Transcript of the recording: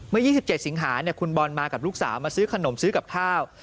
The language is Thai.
เมื่อ๒๗สิงหาคุณบอลมากับลูกสาวมาซื้อขนมซื้อกับข้าว